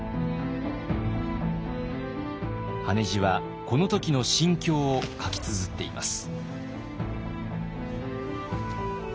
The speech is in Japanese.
羽地はこの時の心境を書きつづっています。